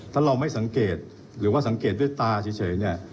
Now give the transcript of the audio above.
ถ้าเราไม่สังเกตหรือว่าสังเกตด้วยตาเฉยเนี่ย